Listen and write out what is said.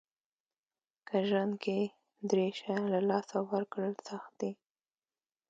که ژوند کې درې شیان له لاسه ورکړل سخت دي.